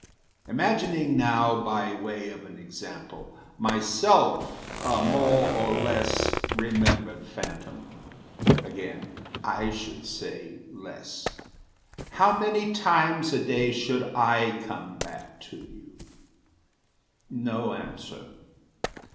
Imagining now, by way of an example, Myself a more or less remembered phantom Again, I should say less how many times A day should I come back to you? No answer.